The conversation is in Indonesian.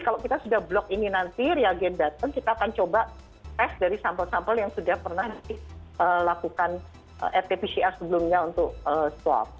kalau kita sudah blok ini nanti reagen datang kita akan coba tes dari sampel sampel yang sudah pernah dilakukan rt pcr sebelumnya untuk swab